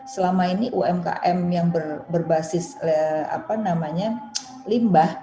selama ini umkm yang berbasis apa namanya limbah